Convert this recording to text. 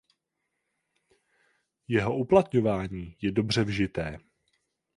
Jeho uplatňování je dobře vžité.